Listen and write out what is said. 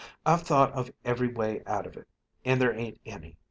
I've thought of every way out of it and there ain't any.